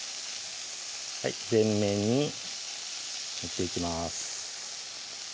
全面に塗っていきます